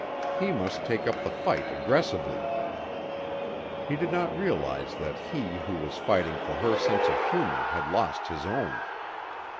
He must take up the fight aggressively. He did not realize that he who was fighting for her sense of humor had lost his own.